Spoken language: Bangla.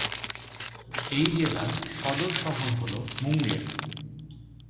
এই জেলার সদর শহর হল মুঙ্গের।